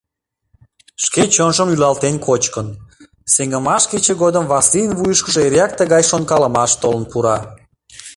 Шке чонжым йӱлалтен кочкын, Сеҥымаш кече годым Васлийын вуйышкыжо эреак тыгай шонкалымаш толын пура...